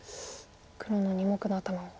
黒の２目の頭を。